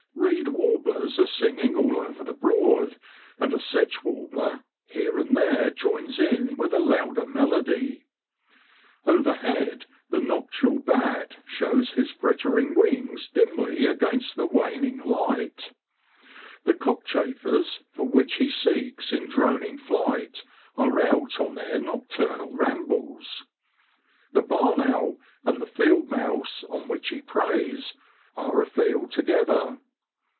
Eeed warblers are singing all over the Broad, and a sedge warbler here and there joins in with a louder melody. Overhead the noc tule bat shows his frittering wings dimly against the waning light; the cockchafers, for which he seeks in droning flight, are out on their nocturnal rambles. The barn owl and the field mouse, on which he preys, are afield together.